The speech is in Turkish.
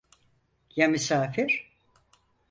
Ya misafir?